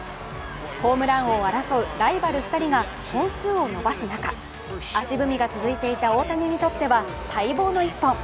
ホームラン王を争うライバル２人が本数を伸ばす中足踏みが続いていた大谷にとっては待望の一本。